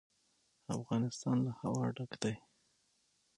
افغانستان له هوا ډک دی.